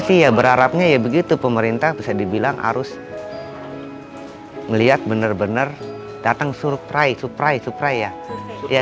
sebenarnya pemerintah harus melihat benar benar datang suprai suprai ya